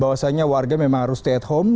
bahwasannya warga memang harus stay at home